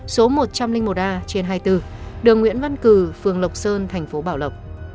số một trăm linh một a trên hai mươi bốn đường nguyễn văn cử phường lộc sơn thành phố bảo lộc